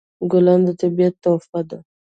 ګلان د طبیعت تحفه ده.